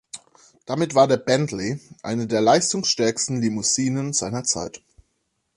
Damit war der Bentley eine der leistungsstärksten Limousinen seiner Zeit.